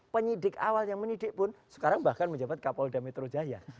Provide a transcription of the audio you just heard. penyidik awal yang menyidik pun sekarang bahkan menjabat kapolda metro jaya